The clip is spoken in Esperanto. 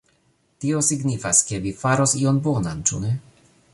Tio signifas ke vi faros ion bonan, ĉu ne?